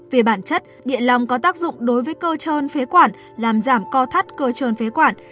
về bản chất địa lòng có tác dụng đối với cơ trơn phế quản làm giảm co thắt cơ trơn phế quản